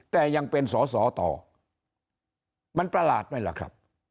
แต่ยังเป็นสอสอต่อมันประหลาดไหมล่ะครับ